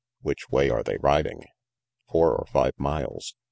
"Which way are they riding?" "Four or five miles.